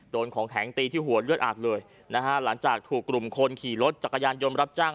โดนของแข็งตีที่หัวเลือดอาบเลยนะฮะหลังจากถูกกลุ่มคนขี่รถจักรยานยนต์รับจ้าง